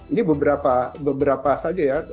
ini beberapa saja ya